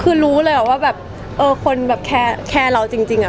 คือรู้เลยอะว่าแบบคนแค่เราจริงอะ